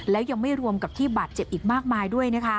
แล้วยังไม่รวมกับที่บาดเจ็บอีกมากมายด้วยนะคะ